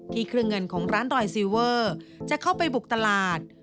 เครื่องเงินของร้านรอยซีเวอร์จะเข้าไปบุกตลาด